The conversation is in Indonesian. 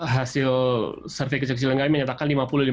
hasil sertifikasi lenggai menyatakan lima puluh lima puluh